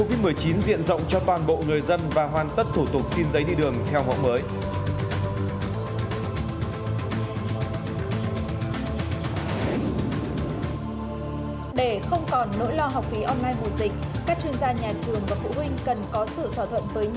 để không còn nỗi lo học phí online mùa dịch các chuyên gia nhà trường và phụ huynh cần có sự thỏa thuận với nhau trên cơ sở chi phí hợp lý nhất